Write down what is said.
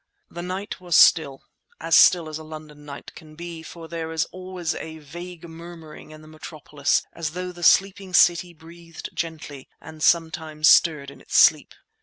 The night was still—as still as a London night can be; for there is always a vague murmuring in the metropolis as though the sleeping city breathed gently and sometimes stirred in its sleep.